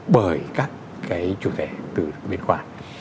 bởi các cái chủ thể từ biên khoản